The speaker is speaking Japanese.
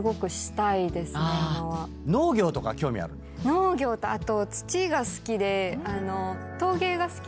農業とあと土が好きで。